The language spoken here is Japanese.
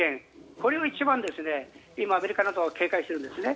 これを一番、今、アメリカなどは警戒しているんですね。